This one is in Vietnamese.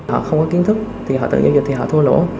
họ không có kiến thức thì họ tự giao dịch thì họ thua lỗ